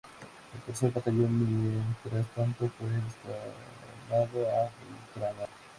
El tercer batallón mientras tanto fue destinado a Ultramar.